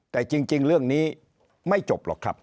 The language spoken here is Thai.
แต่จริงเรื่องนี้ไม่จบหรอกครับ